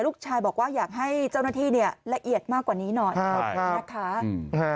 ลูกชายบอกว่าอยากให้เจ้าหน้าที่เนี่ยละเอียดมากกว่านี้หน่อยขอบคุณนะคะ